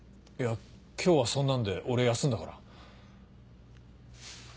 いや今日はそんなんで俺休んだから。